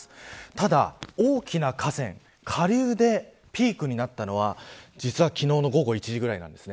ただ大きな河川下流でピークになったのは実は昨日の午後１時ぐらいなんです。